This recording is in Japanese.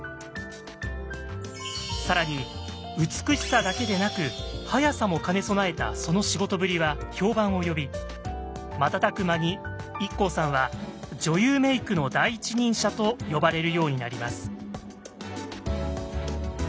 更に美しさだけでなく速さも兼ね備えたその仕事ぶりは評判を呼び瞬く間にＩＫＫＯさんは「女優メイクの第一人者」と呼ばれるようになります。